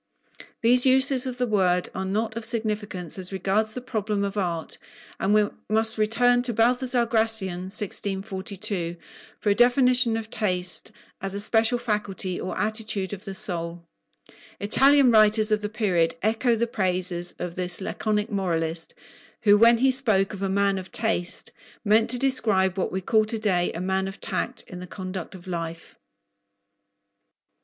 These uses of the word are not of significance as regards the problem of art, and we must return to Baltasar Gracian (1642) for a definition of taste as a special faculty or attitude of the soul. Italian writers of the period echo the praises of this laconic moralist, who, when he spoke of "a man of taste," meant to describe what we call to day "a man of tact" in the conduct of life.